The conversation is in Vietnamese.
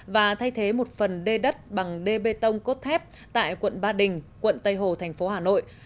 và thay thế một phần đê đất bằng đê bê tông cốt thép tại quận ba đình quận tây hồ thành phố hà nội